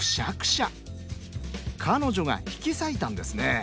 彼女が引き裂いたんですね。